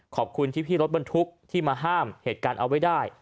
ขอบคุณที่พี่รถบรรทุกที่มาห้ามเหตุการณ์เอาไว้ได้